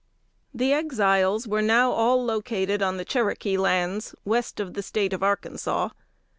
] The Exiles were now all located on the Cherokee lands, west of the State of Arkansas.